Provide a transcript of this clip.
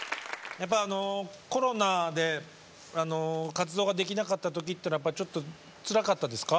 やっぱりコロナで活動ができなかった時というのはちょっとつらかったですか？